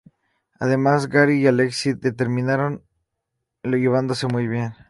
Además Gary y Alexis terminan llevándose muy bien.